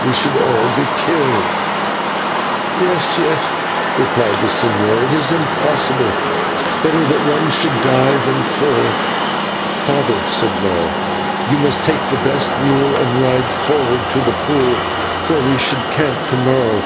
"We should all be killed." "Yes, yes," repeated the señor, "it is impossible. Better that one should die than four." "Father," said Maya, "you must take the best mule and ride forward to the pool where we should camp to morrow.